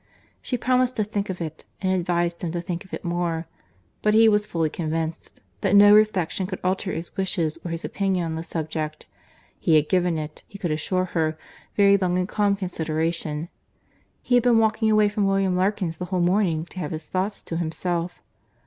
She promised to think of it, and advised him to think of it more; but he was fully convinced, that no reflection could alter his wishes or his opinion on the subject. He had given it, he could assure her, very long and calm consideration; he had been walking away from William Larkins the whole morning, to have his thoughts to himself.